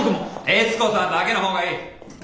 悦子さんだけの方がいい。